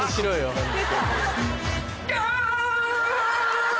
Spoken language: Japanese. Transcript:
ホントに。